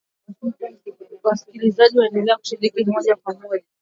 Wasikilizaji waendelea kushiriki moja kwa moja